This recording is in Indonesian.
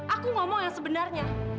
aku ngomong yang sebenarnya